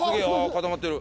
固まってる。